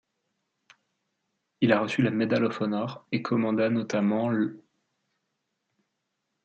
Il a reçu la Medal of Honor et commanda notamment l'.